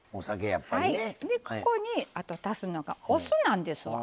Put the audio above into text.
ここにあと足すのがお酢なんですわ。